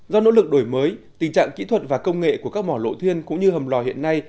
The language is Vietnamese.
do nỗ lực đổi mới tình trạng kỹ thuật và công nghệ của các mỏ lộ thiên cũng như hầm lò hiện nay